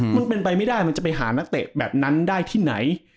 มันเป็นไปไม่ได้มันจะไปหานักเตะแบบนั้นได้ที่ไหน